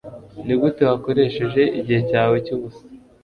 nigute wakoresheje igihe cyawe cyubusa